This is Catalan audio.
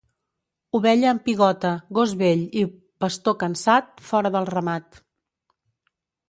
Ovella amb pigota, gos vell i pastor cansat, fora del ramat.